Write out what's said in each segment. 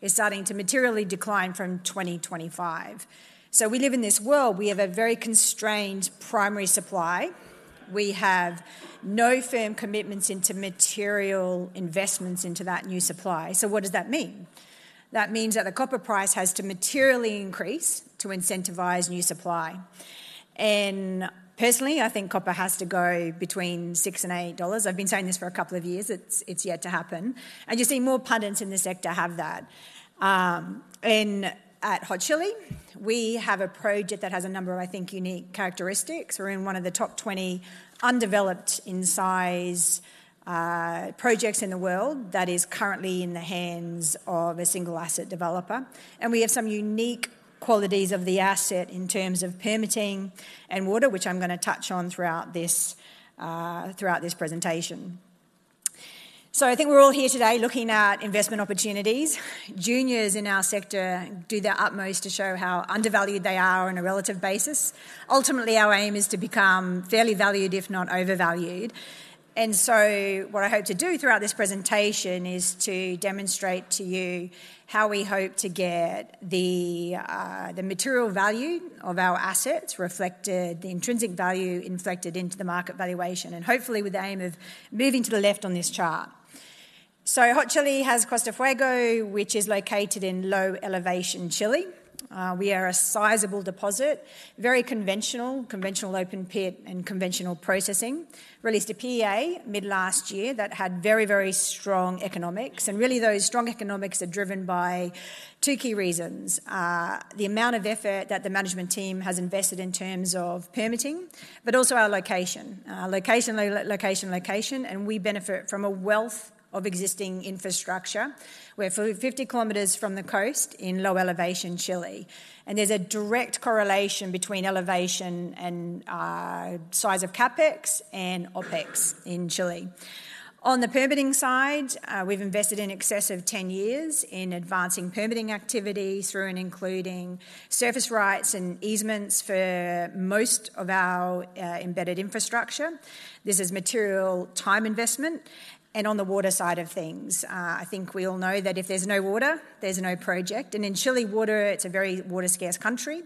Is starting to materially decline from 2025. So we live in this world. We have a very constrained primary supply. We have no firm commitments into material investments into that new supply. So what does that mean? That means that the copper price has to materially increase to incentivise new supply. And personally, I think copper has to go between $6 and $8. I've been saying this for a couple of years. It's yet to happen. And you see more pundits in the sector have that. And at Hot Chili, we have a project that has a number of, I think, unique characteristics. We're in one of the top 20 undeveloped in size projects in the world that is currently in the hands of a single asset developer. And we have some unique qualities of the asset in terms of permitting and water, which I'm going to touch on throughout this presentation. So I think we're all here today looking at investment opportunities. Juniors in our sector do their utmost to show how undervalued they are on a relative basis. Ultimately, our aim is to become fairly valued, if not overvalued. And so what I hope to do throughout this presentation is to demonstrate to you how we hope to get the material value of our assets reflected, the intrinsic value inflected into the market valuation, and hopefully with the aim of moving to the left on this chart. So Hot Chili has Costa Fuego, which is located in low elevation Chile. We are a sizable deposit, very conventional, conventional open pit and conventional processing. Released a PEA mid-last year that had very, very strong economics. Really, those strong economics are driven by two key reasons: the amount of effort that the management team has invested in terms of permitting, but also our location, location, location, location. We benefit from a wealth of existing infrastructure. We're 50 kilometers from the coast in low-elevation Chile. There's a direct correlation between elevation and size of CAPEX and OPEX in Chile. On the permitting side, we've invested in excess of 10 years in advancing permitting activity through and including surface rights and easements for most of our embedded infrastructure. This is material time investment. On the water side of things, I think we all know that if there's no water, there's no project. In Chile, water, it's a very water-scarce country.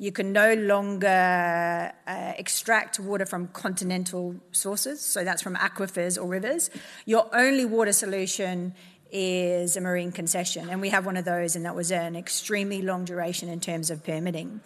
You can no longer extract water from continental sources, so that's from aquifers or rivers. Your only water solution is a marine concession, and we have one of those, and that was an extremely long duration in terms of permitting.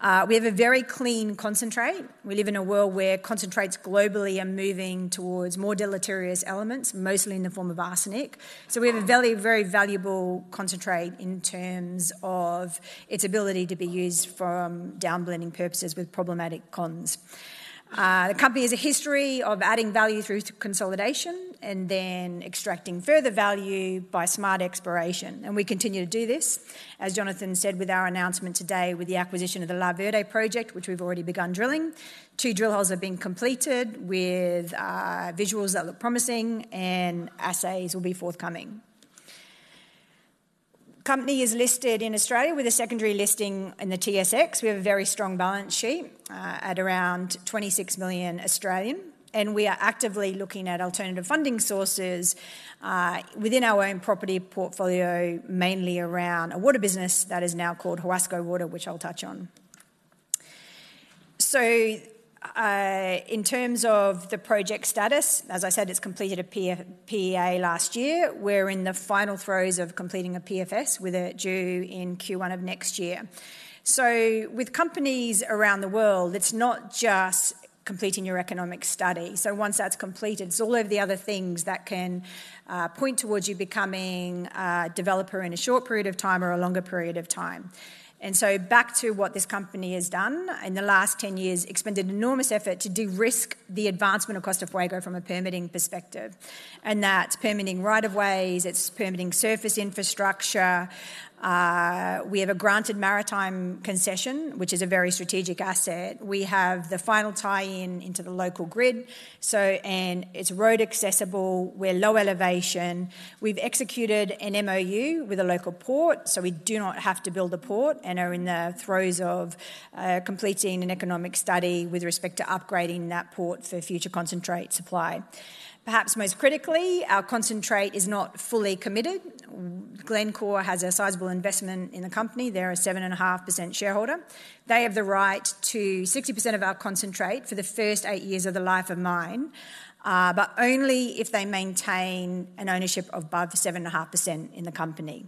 We have a very clean concentrate. We live in a world where concentrates globally are moving towards more deleterious elements, mostly in the form of arsenic, so we have a very, very valuable concentrate in terms of its ability to be used for downblending purposes with problematic concs. The company has a history of adding value through consolidation and then extracting further value by smart exploration, and we continue to do this. As Jonathan said with our announcement today with the acquisition of the La Verde project, which we've already begun drilling, two drill holes have been completed with visuals that look promising, and assays will be forthcoming. The company is listed in Australia with a secondary listing in the TSX. We have a very strong balance sheet at around 26 million, and we are actively looking at alternative funding sources within our own property portfolio, mainly around a water business that is now called Huasco Water, which I'll touch on, so in terms of the project status, as I said, it's completed a PEA last year, we're in the final throes of completing a PFS with a due in Q1 of next year, so with companies around the world, it's not just completing your economic study, so once that's completed, it's all of the other things that can point towards you becoming a developer in a short period of time or a longer period of time, and so back to what this company has done in the last 10 years, it's spent an enormous effort to de-risk the advancement of Costa Fuego from a permitting perspective. That's permitting rights-of-way. It's permitting surface infrastructure. We have a granted maritime concession, which is a very strategic asset. We have the final tie-in into the local grid. It's road accessible. We're low elevation. We've executed an MOU with a local port, so we do not have to build a port and are in the throes of completing an economic study with respect to upgrading that port for future concentrate supply. Perhaps most critically, our concentrate is not fully committed. Glencore has a sizable investment in the company. They're a 7.5% shareholder. They have the right to 60% of our concentrate for the first eight years of the life of mine, but only if they maintain an ownership of above 7.5% in the company.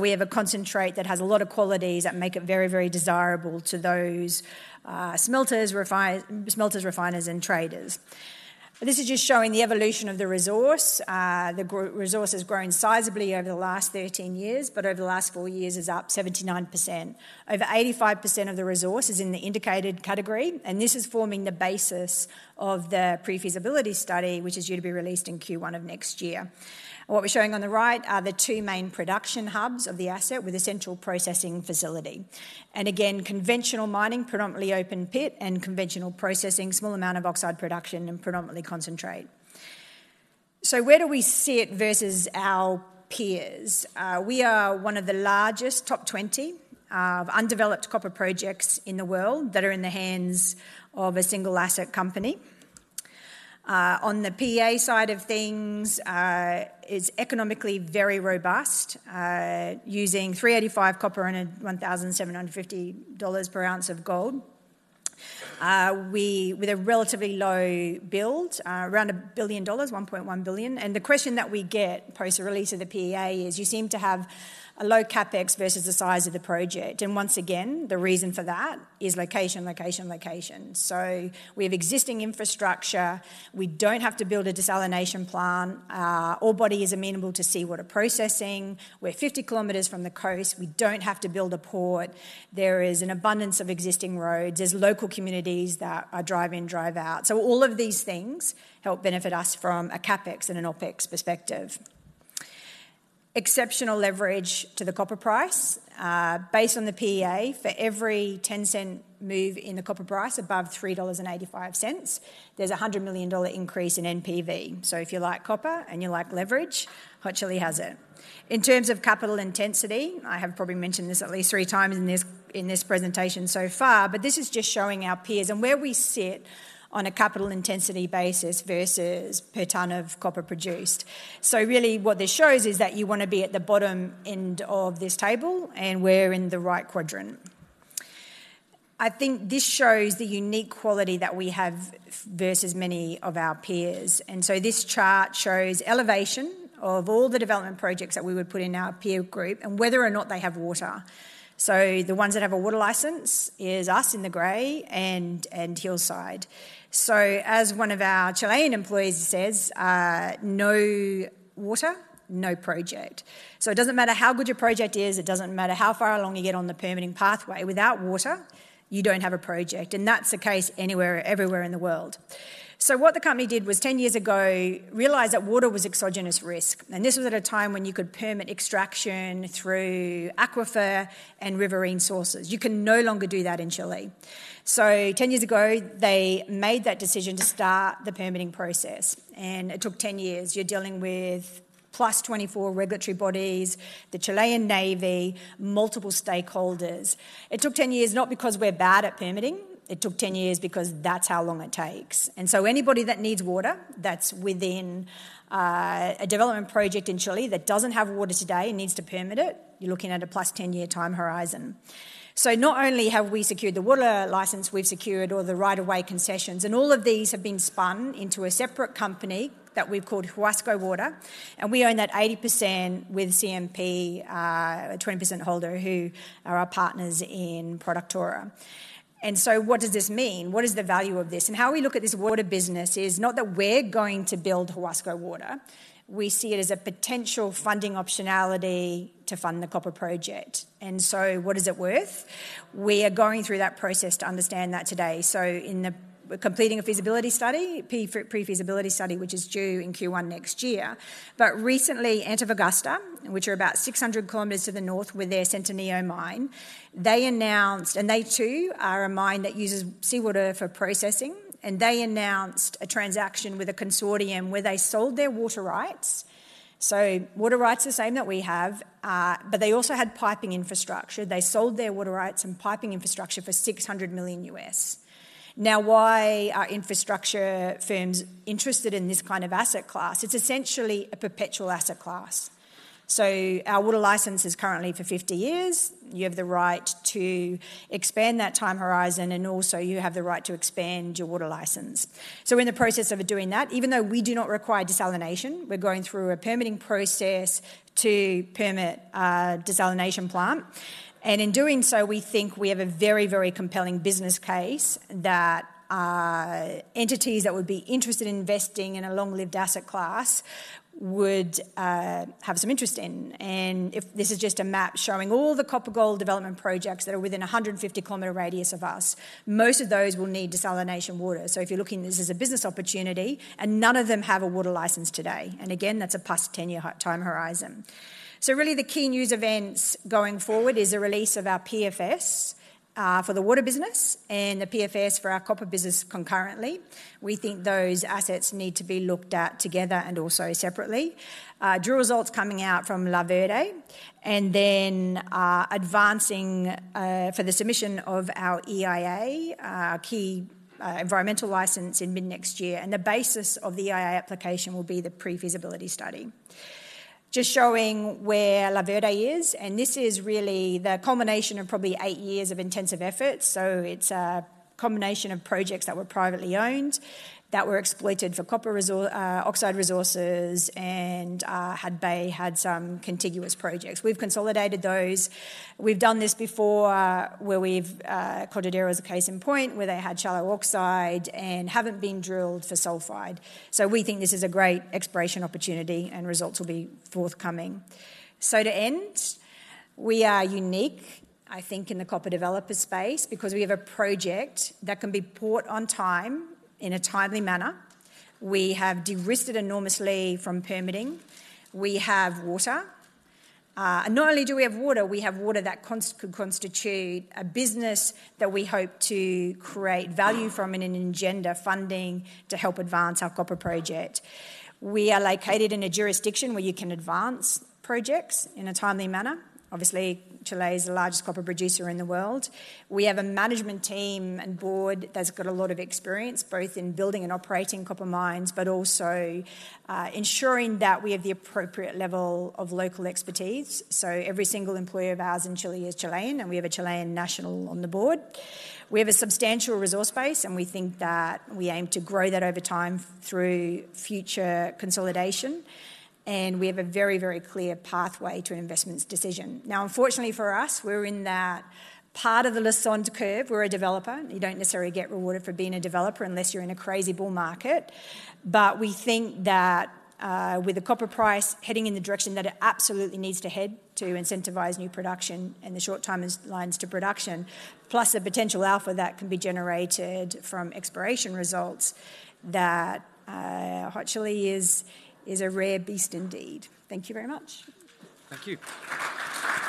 We have a concentrate that has a lot of qualities that make it very, very desirable to those smelters, refiners, and traders. This is just showing the evolution of the resource. The resource has grown sizably over the last 13 years, but over the last four years is up 79%. Over 85% of the resource is in the indicated category, and this is forming the basis of the pre-feasibility study, which is due to be released in Q1 of next year. What we're showing on the right are the two main production hubs of the asset with a central processing facility. And again, conventional mining, predominantly open pit, and conventional processing, small amount of oxide production, and predominantly concentrate. So where do we sit versus our peers? We are one of the largest top 20 of undeveloped copper projects in the world that are in the hands of a single asset company. On the PEA side of things, it's economically very robust, using $3.85 copper and $1,750 per ounce of gold, with a relatively low build, around $1-$1.1 billion, and the question that we get post-release of the PEA is, you seem to have a low CAPEX versus the size of the project, and once again, the reason for that is location, location, location, so we have existing infrastructure. We don't have to build a desalination plant. The orebody is amenable to seawater processing. We're 50 kilometers from the coast. We don't have to build a port. There is an abundance of existing roads. There's local communities that are drive-in, drive-out, so all of these things help benefit us from a CAPEX and an OPEX perspective. Exceptional leverage to the copper price. Based on the PEA, for every $0.10 move in the copper price above $3.85, there's a $100 million increase in NPV. So if you like copper and you like leverage, Hot Chili has it. In terms of capital intensity, I have probably mentioned this at least three times in this presentation so far, but this is just showing our peers and where we sit on a capital intensity basis versus per tonne of copper produced. So really what this shows is that you want to be at the bottom end of this table, and we're in the right quadrant. I think this shows the unique quality that we have versus many of our peers. And so this chart shows evaluation of all the development projects that we would put in our peer group and whether or not they have water. So the ones that have a water license is us in the gray and Hillside. So as one of our Chilean employees says, no water, no project. So it doesn't matter how good your project is. It doesn't matter how far along you get on the permitting pathway. Without water, you don't have a project. And that's the case anywhere, everywhere in the world. So what the company did was 10 years ago, realize that water was exogenous risk. And this was at a time when you could permit extraction through aquifer and riverine sources. You can no longer do that in Chile. So 10 years ago, they made that decision to start the permitting process. And it took 10 years. You're dealing with plus 24 regulatory bodies, the Chilean Navy, multiple stakeholders. It took 10 years not because we're bad at permitting. It took 10 years because that's how long it takes. And so anybody that needs water that's within a development project in Chile that doesn't have water today and needs to permit it, you're looking at a plus 10 year time horizon. So not only have we secured the water license, we've secured all the right-of-way concessions. And all of these have been spun into a separate company that we've called Huasco Water. And we own that 80% with CMP, a 20% holder who are our partners in Productora. And so what does this mean? What is the value of this? And how we look at this water business is not that we're going to build Huasco Water. We see it as a potential funding optionality to fund the copper project. And so what is it worth? We are going through that process to understand that today. In completing a feasibility study, pre-feasibility study, which is due in Q1 next year. Recently, Antofagasta, which are about 600 km to the north with their Centinela mine, announced, and they too are a mine that uses seawater for processing, and they announced a transaction with a consortium where they sold their water rights. Water rights are the same that we have, but they also had piping infrastructure. They sold their water rights and piping infrastructure for $600 million. Now, why are infrastructure firms interested in this kind of asset class? It's essentially a perpetual asset class. Our water license is currently for 50 years. You have the right to expand that time horizon, and also you have the right to expand your water license. We're in the process of doing that. Even though we do not require desalination, we're going through a permitting process to permit a desalination plant. In doing so, we think we have a very, very compelling business case that entities that would be interested in investing in a long-lived asset class would have some interest in. This is just a map showing all the copper-gold development projects that are within a 150 kilometer radius of us. Most of those will need desalination water. If you're looking at this as a business opportunity, and none of them have a water license today. Again, that's a plus-10-year time horizon. Really the key news events going forward is the release of our PFS for the water business and the PFS for our copper business concurrently. We think those assets need to be looked at together and also separately. Drill results coming out from La Verde, and then advancing for the submission of our EIA, our key environmental license in mid-next year. And the basis of the EIA application will be the pre-feasibility study, just showing where La Verde is. And this is really the culmination of probably eight years of intensive efforts. So it's a culmination of projects that were privately owned, that were exploited for copper oxide resources, and had some contiguous projects. We've consolidated those. We've done this before, where we've considered it as a case in point where they had shallow oxide and haven't been drilled for sulfide. So we think this is a great exploration opportunity, and results will be forthcoming. So to end, we are unique, I think, in the copper developer space because we have a project that can be brought online in a timely manner. We have de-risked enormously from permitting. We have water, and not only do we have water, we have water that could constitute a business that we hope to create value from in an agenda funding to help advance our copper project. We are located in a jurisdiction where you can advance projects in a timely manner. Obviously, Chile is the largest copper producer in the world. We have a management team and board that's got a lot of experience both in building and operating copper mines, but also ensuring that we have the appropriate level of local expertise, so every single employee of ours in Chile is Chilean, and we have a Chilean national on the board. We have a substantial resource base, and we think that we aim to grow that over time through future consolidation, and we have a very, very clear pathway to investment decision. Now, unfortunately for us, we're in that part of the Lassonde curve. We're a developer. You don't necessarily get rewarded for being a developer unless you're in a crazy bull market. But we think that with the copper price heading in the direction that it absolutely needs to head to incentivize new production and the short timelines to production, plus the potential alpha that can be generated from exploration results, that Hot Chili is a rare beast indeed. Thank you very much. Thank you.